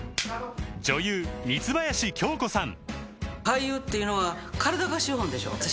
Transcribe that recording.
女優三林京子さん